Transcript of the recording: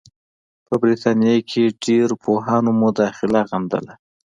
په برټانیه کې ډېرو پوهانو مداخله غندله.